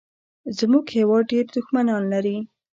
زمونږ هېواد ډېر دوښمنان لري